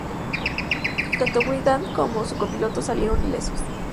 Tanto Wiegand como su copiloto salieron ilesos.